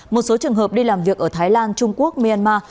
một số trường hợp đi làm việc ở thái lan trung quốc myanmar